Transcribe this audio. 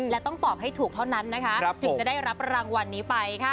และต้องตอบให้ถูกเท่านั้นนะคะถึงจะได้รับรางวัลนี้ไปค่ะ